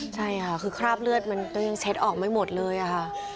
ใช่ค่ะคือคราบเลือดมันก็ยังเช็ดออกไม่หมดเลยอะค่ะ